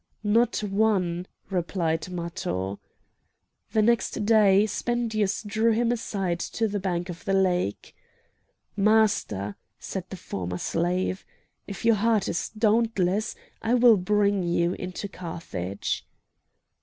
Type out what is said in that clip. "Not one!" replied Matho. The next day Spendius drew him aside to the bank of the lake. "Master!" said the former slave, "If your heart is dauntless, I will bring you into Carthage."